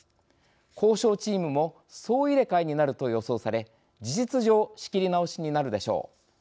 交渉チームも総入れ替えになると予想され事実上仕切り直しになるでしょう。